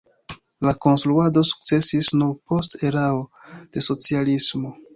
La konstruado sukcesis nur post erao de socialismo.